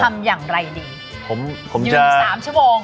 ทำอย่างไรดีผมผมยืนอยู่สามชั่วโมง